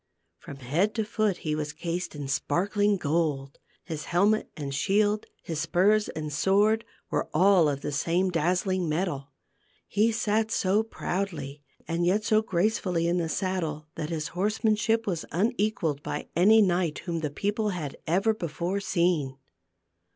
From head to foot he was cased in sparkling gold : his helmet and shield, his spurs and sword were all of the same dazzling metal. He sat so proudly and yet so gracefully in the saddle that his horsemanship was unequalled by any knight whom the people had ever before seen.